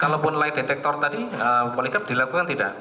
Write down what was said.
kalau lay detektor tadi polygraph dilakukan tidak